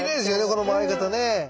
この回り方ね。